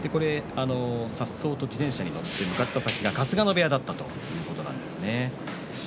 さっそうと自転車に乗って向かった先が春日野部屋だったということなんですね。